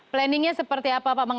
planningnya seperti apa pak